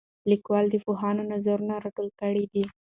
لیکوال د پوهانو نظرونه راټول کړي دي.